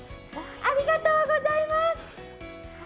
ありがとうございます！